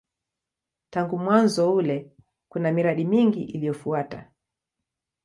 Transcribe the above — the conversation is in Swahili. Tangu mwanzo ule kuna miradi mingi iliyofuata.